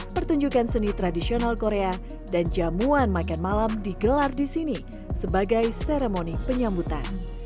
pertunjukan seni tradisional korea dan jamuan makan malam digelar di sini sebagai seremoni penyambutan